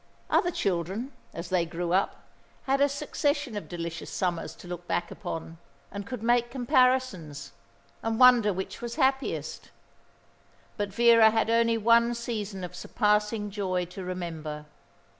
Other children, as they grew up, had a succession of delicious summers to look back upon, and could make comparisons, and wonder which was happiest; but Vera had only one season of surpassing joy to remember.